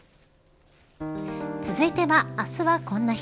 続いては、あすはこんな日。